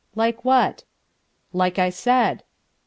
"Like what?" "Like I said."